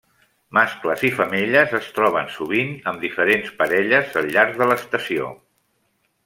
Mascles i femelles es troben sovint, amb diferents parelles al llarg de l'estació.